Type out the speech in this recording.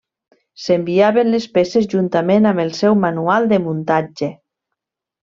S'enviaven les peces juntament amb el seu manual de muntatge.